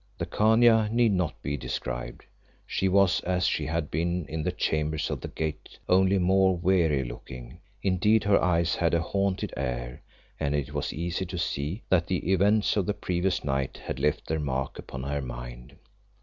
The Khania need not be described. She was as she had been in the chambers of the Gate, only more weary looking; indeed her eyes had a haunted air and it was easy to see that the events of the previous night had left their mark upon her mind.